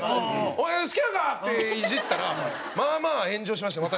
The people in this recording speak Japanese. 「お前好きなのか？」ってイジったらまあまあ炎上しまして私。